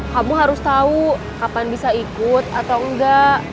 kamu harus tahu kapan bisa ikut atau enggak